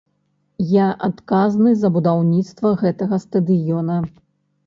Я адказны за будаўніцтва гэтага стадыёна.